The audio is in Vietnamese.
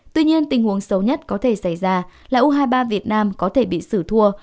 tuy nhiên tình huống xấu nhất có thể xảy ra là u hai mươi ba việt nam có thể bị xử thua